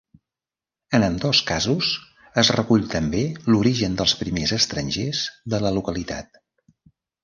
En ambdós casos, es recull també l'origen dels primers estrangers de la localitat.